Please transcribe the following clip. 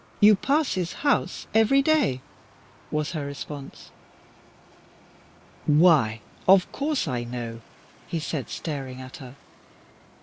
You pass his house every day," was her response. "Why, of course I know," he said, staring at her.